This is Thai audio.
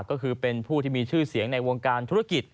ก็คือเป็นผู้ที่มีชื่อเสียงในวงการธุรกิจ